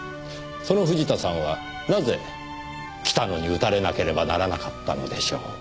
その藤田さんはなぜ北野に撃たれなければならなかったのでしょう？